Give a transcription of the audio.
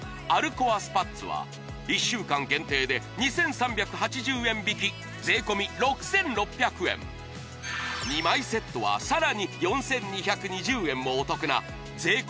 コアスパッツは１週間限定で２３８０円引き税込６６００円２枚セットはさらに４２２０円もお得な税込